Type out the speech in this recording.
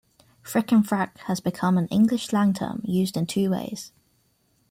"Frick and Frack" has become an English slang term used in two ways.